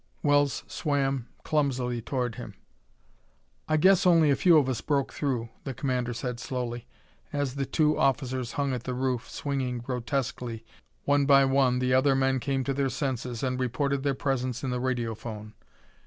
Wells swam clumsily towards him. "I guess only a few of us broke through," the commander said slowly. As the two officers hung at the roof, swinging grotesquely, one by one the other men came to their senses and reported their presence in the radiophone.